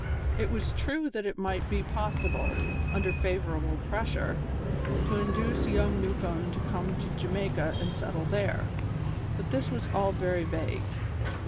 It was true that it might be possible, under favourable pressure, to induce young Newcombe to come to Jamaica and settle there, but this was all very vague.